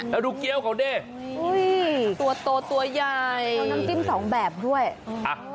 แล้วดูเกี้ยวเขาดิอุ้ยตัวโตตัวใหญ่น้ำจิ้มสองแบบด้วยอ่ะ